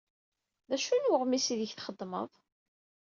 D acu n weɣmis aydeg txeddmeḍ?